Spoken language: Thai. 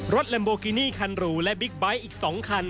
ลัมโบกินี่คันหรูและบิ๊กไบท์อีก๒คัน